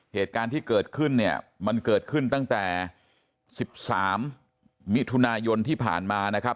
เหตุการณ์ที่เกิดขึ้นเนี่ยมันเกิดขึ้นตั้งแต่๑๓มิถุนายนที่ผ่านมานะครับ